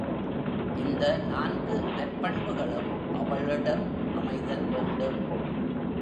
இந்த நான்கு நற்பண்புகளும் அவளிடம் அமைதல் வேண்டும்.